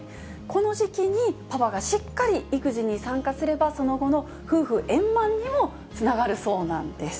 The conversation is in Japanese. この時期に、パパがしっかり育児に参加すれば、その後の夫婦円満にもつながるそうなんです。